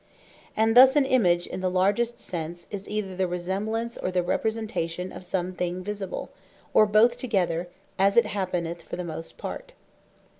And thus an Image in the largest sense, is either the Resemblance, or the Representation of some thing Visible; or both together, as it happeneth for the most part.